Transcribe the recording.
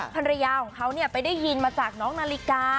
ภรรยาของเขาไปได้ยินมาจากน้องนาฬิกา